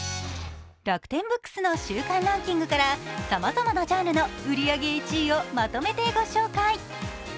楽天ブックスの週間ランキングから、さまざまなジャンルの売り上げ１位をまとめてご紹介。